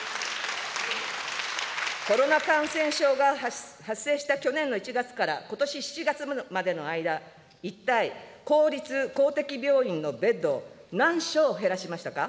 コロナ感染症が発生した去年の１月からことし７月までの間、一体、公立・公的病院のベッドを何床減らしましたか。